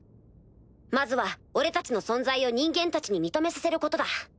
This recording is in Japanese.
まずは俺たちの存在を人間たちに認めさせることだ。